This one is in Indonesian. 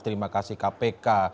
terima kasih kpk